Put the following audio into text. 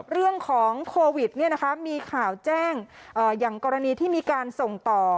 เรื่องของโควิดมีข่าวแจ้งอย่างกรณีที่มีการส่งต่อ